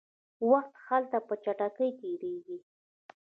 وخت هلته په چټکۍ تیریږي.